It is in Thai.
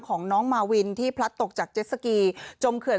ของน้องมาวินที่พลัดตกจากเจสสกีจมเขื่อน